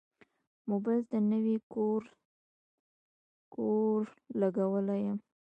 موبایل ته نوی کوور لګولی یم.